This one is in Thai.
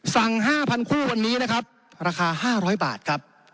สั่ง๕๐๐คู่วันนี้นะครับราคา๕๐๐บาทครับ